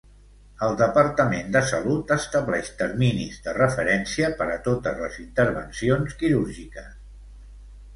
El Departament de Salut estableix terminis de referència per a totes les intervencions quirúrgiques.